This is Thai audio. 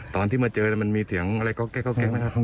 ตอนที่มาเจอมันมีเสียงอะไรเกาะแกะเกาะแกะไหมครับ